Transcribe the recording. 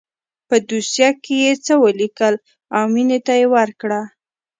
په دوسيه کښې يې څه وليکل او مينې ته يې ورکړه.